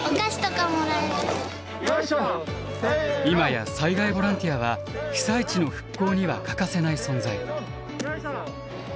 今や災害ボランティアは被災地の復興には欠かせない存在。